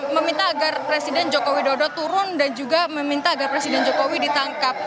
meminta agar presiden joko widodo turun dan juga meminta agar presiden jokowi ditangkap